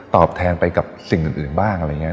แทนไปกับสิ่งอื่นบ้างอะไรอย่างนี้